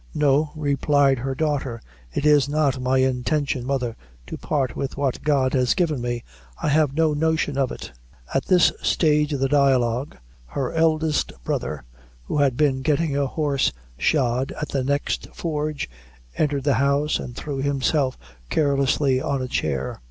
"No," replied her daughter, "it is not my intention, mother, to part with what God has given me. I have no notion of it." At this stage of the dialogue, her eldest brother, who had been getting a horse shod at the next forge, entered the house, and threw himself carelessly on a chair.